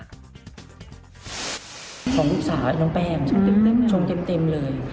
ของลูกสาวน้องแป้งชมเต็มเลย